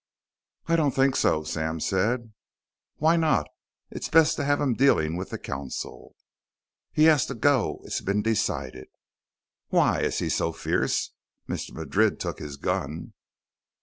"I don't think so," Sam said. "Why not? It's best to have him dealing with the council." "He has to go. It's been decided." "Why? Is he so fierce? Mr. Madrid took his gun."